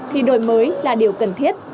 thì đổi mới là điều cần thiết